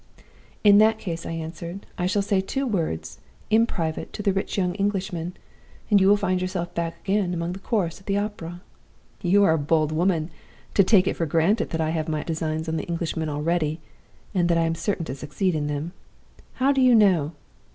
"'In that case,' I answered, 'I shall say two words in private to the rich young Englishman, and you will find yourself back again among the chorus at the opera.' "'You are a bold woman to take it for granted that I have my designs on the Englishman already, and that I am certain to succeed in them. How do you know